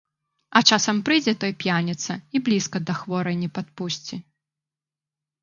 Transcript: А часам прыйдзе той п'яніца, і блізка да хворай не падпусці.